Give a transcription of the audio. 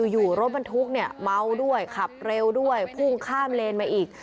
อยู่รถบรรทุกเนี่ยเมาด้วยขับเร็วด้วยพุ่งข้ามเลนมาอีก